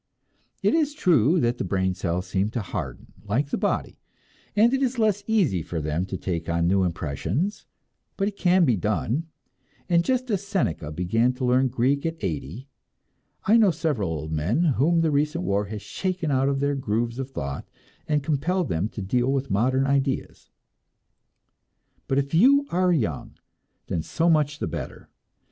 It is true that the brain cells seem to harden like the body, and it is less easy for them to take on new impressions; but it can be done, and just as Seneca began to learn Greek at eighty, I know several old men whom the recent war has shaken out of their grooves of thought and compelled to deal with modern ideas. But if you are young, then so much the better!